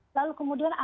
lalu kemudian anaknya